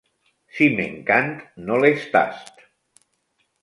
Si m'encant, no les tast!